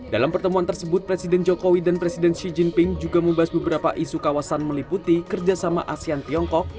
dalam pertemuan tersebut presiden jokowi dan presiden xi jinping juga membahas beberapa isu kawasan meliputi kerjasama asean tiongkok